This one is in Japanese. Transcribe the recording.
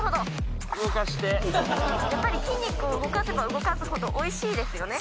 やっぱり筋肉を動かせば動かすほどおいしいですよね？